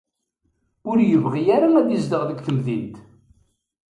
Ur yebɣi ara ad izdeɣ deg temdint.